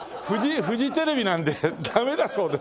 フジテレビなのでダメだそうです。